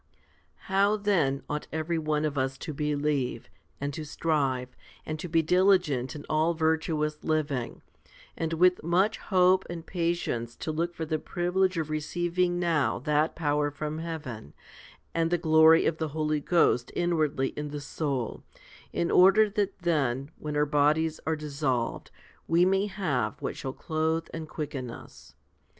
10. How then ought every one of us to believe, and to strive, and to be diligent in all virtuous living, and with much hope and patience to look for the privilege of receiv ing now that power from heaven, and the glory of the Holy Ghost inwardly in the soul, in order that then, when our bodies are dissolved, we may have what shall clothe and quicken us